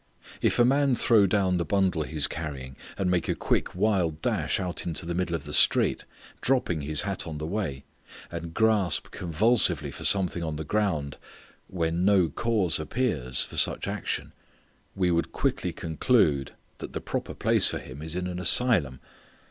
If a man throw down the bundle he is carrying and make a quick wild dash out into the middle of the street, dropping his hat on the way, and grasp convulsively for something on the ground when no cause appears for such action we would quickly conclude that the proper place for him is an asylum.